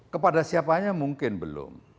kepada siapanya mungkin belum